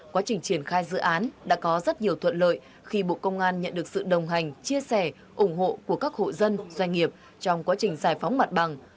quá trình triển khai dự án đã có rất nhiều thuận lợi khi bộ công an nhận được sự đồng hành chia sẻ ủng hộ của các hộ dân doanh nghiệp trong quá trình giải phóng mặt bằng